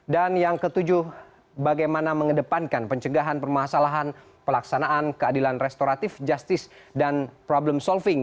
dan yang ketujuh bagaimana mengedepankan pencegahan permasalahan pelaksanaan keadilan restoratif justice dan problem solving